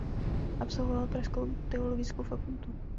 Absolvoval pražskou teologickou fakultu.